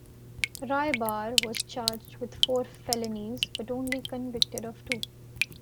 Rybar was charged with four felonies, but only convicted of two.